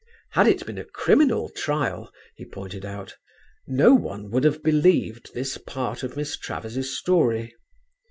Had it been a criminal trial, he pointed out, no one would have believed this part of Miss Travers' story.